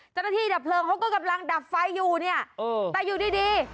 ดับเพลิงเขาก็กำลังดับไฟอยู่เนี่ยแต่อยู่ดีดี